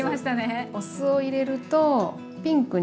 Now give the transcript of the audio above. お酢を入れるとピンクに。